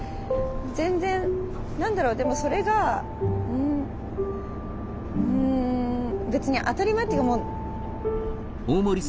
全然何だろうでもそれがうん別に当たり前っていうか。